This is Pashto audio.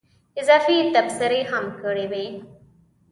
اضافي تبصرې هم کړې وې.